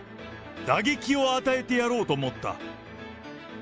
打撃を与えてやろうと思った。